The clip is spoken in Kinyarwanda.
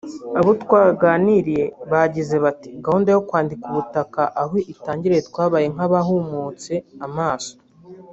Abo twaganiriye bagize bati “Gahunda yo kwandika ubutaka aho itangiriye twabaye nk’abahumutse amaso